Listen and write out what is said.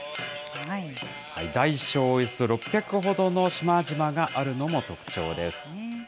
大小およそ６００ほどの島々があるのも特徴です。